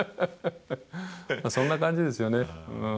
そんな感じですよね。